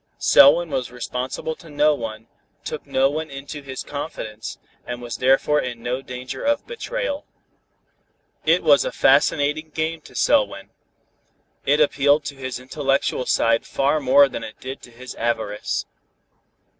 Selwyn was responsible to no one, took no one into his confidence, and was therefore in no danger of betrayal. It was a fascinating game to Selwyn. It appealed to his intellectual side far more than it did to his avarice.